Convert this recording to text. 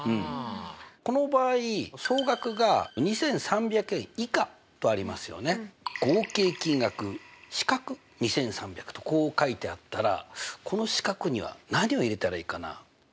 この場合総額が２３００円以下とありますよね。とこう書いてあったらこの四角には何を入れたらいいかな？